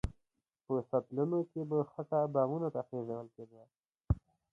په سطلونو کې به خټه بامونو ته خېژول کېده.